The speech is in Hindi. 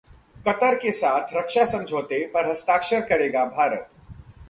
कतर के साथ रक्षा समझौते पर हस्ताक्षर करेगा भारत